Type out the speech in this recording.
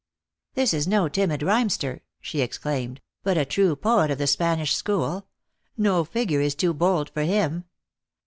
"This is no timid rhymster," she exclaimed, "but a true poet of the Spanish school : No figure is too bold for him.